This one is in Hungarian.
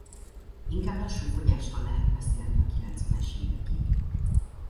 Inkább lassú fogyásról lehet beszélni a kilencvenes évekig.